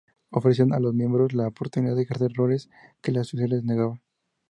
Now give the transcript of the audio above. Ofrecían a los miembros la oportunidad de ejercer roles que la sociedad les negaba.